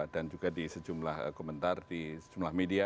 dan juga di sejumlah komentar di sejumlah media